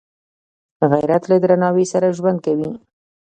غیرت له درناوي سره ژوند کوي